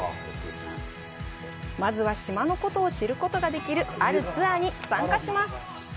まずは島のことを知ることができるあるツアーに参加します。